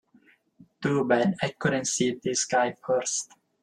Too bad I couldn't see this guy first.